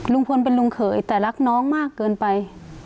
ลุงพลเป็นลุงเขยแต่รักน้องมากเกินไป